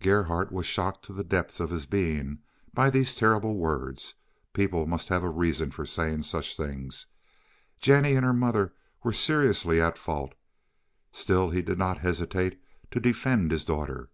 Gerhardt was shocked to the depths of his being by these terrible words. People must have a reason for saying such things. Jennie and her mother were seriously at fault. Still he did not hesitate to defend his daughter.